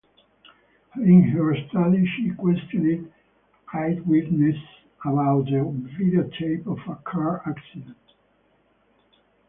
In her study she questioned eyewitnesses about a videotape of a car accident.